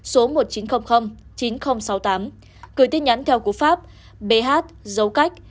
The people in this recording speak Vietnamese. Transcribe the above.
số một chín không không chín không sáu tám gửi tin nhắn theo cụ pháp bh dấu cách